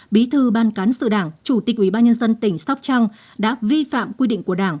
bí thư ban cán sự đảng chủ tịch ủy ban nhân dân tỉnh sóc trăng đã vi phạm quy định của đảng